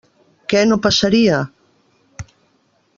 Què no passaria?